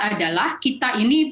adalah kita ini